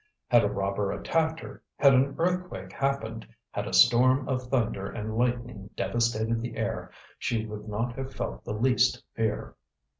Had a robber attacked her, had an earthquake happened, had a storm of thunder and lightning devastated the air, she would not have felt the least fear.